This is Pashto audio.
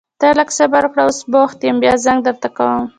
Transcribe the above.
ته لږ صبر وکړه، اوس بوخت يم بيا زنګ درته کوم.